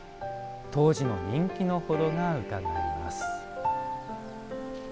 当時の人気のほどがうかがえます。